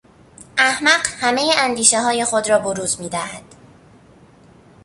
احمق همهی اندیشههای خود را بروز میدهد.